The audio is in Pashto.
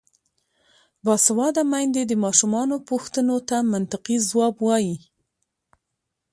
باسواده میندې د ماشومانو پوښتنو ته منطقي ځواب وايي.